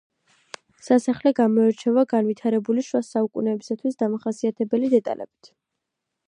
სასახლე გამოირჩევა განვითარებული შუა საუკუნეებისათვის დამახასიათებელი დეტალებით.